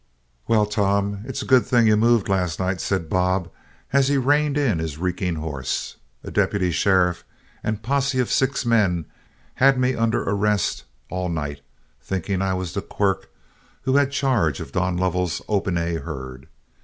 "Well, Tom, it's a good thing you moved last night," said Bob, as he reined in his reeking horse. "A deputy sheriff and posse of six men had me under arrest all night, thinking I was the Quirk who had charge of Don Lovell's 'Open A' herd.